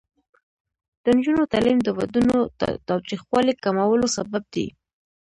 د نجونو تعلیم د ودونو تاوتریخوالي کمولو سبب دی.